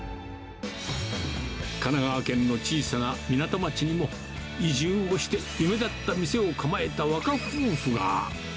神奈川県の小さな港町にも、移住をして、夢だった店を構えた若夫婦が。